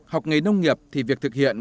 học nghề nông nghiệp thì việc thực hiện